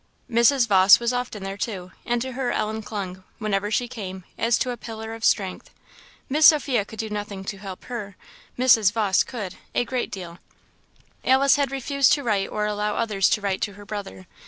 Mrs. Vawse was often there, too, and to her Ellen clung, whenever she came, as to a pillar of strength. Miss Sophia could do nothing to help her; Mrs. Vawse could, a great deal. Alice had refused to write or allow others to write to her brother.